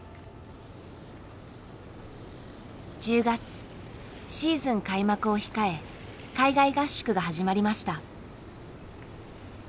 １０月シーズン開幕を控え海外合宿が始まりました。